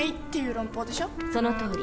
そのとおり。